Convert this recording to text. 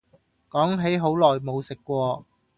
講起好耐冇食過